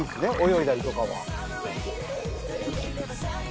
泳いだりとかは。